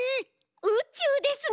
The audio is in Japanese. うちゅうですね。